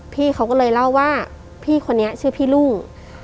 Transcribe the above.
พี่เขาก็เลยเล่าว่าพี่คนนี้ชื่อพี่รุ่ง